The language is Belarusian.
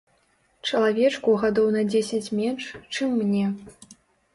Чалавечку гадоў на дзесяць менш, чым мне.